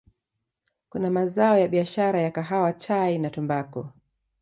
kuna mazao ya biashara ya Kahawa Chai na Tumbaku